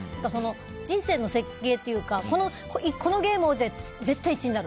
人生の設計というかこのゲームで絶対１位になる。